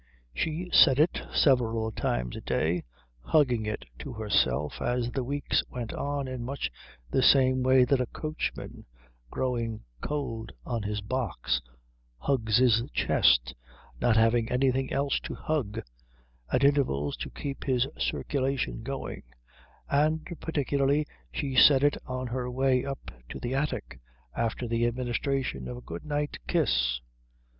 She said it several times a day, hugging it to herself as the weeks went on in much the same way that a coachman, growing cold on his box, hugs his chest, not having anything else to hug, at intervals to keep his circulation going; and particularly she said it on her way up to the attic after the administration of the good night kiss.